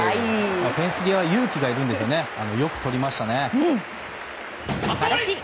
フェンス際は勇気がいるんですがよくとりましたね。